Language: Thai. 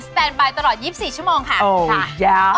สแตนไบตลอด๒๔ชั่วโมงค่ะโอ้ยาว